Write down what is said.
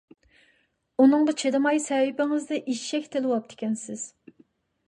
ئۇنىڭغا چىدىماي سەھىپىڭىزدە ئىششەك تىللىۋاپتىكەنسىز.